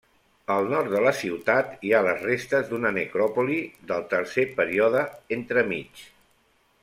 Al nord de la ciutat hi ha les restes d'una necròpolis del tercer període entremig.